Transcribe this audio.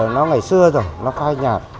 nó ngày xưa rồi nó phai nhạt